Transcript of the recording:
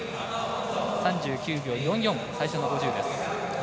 ３９秒４４最初の５０です。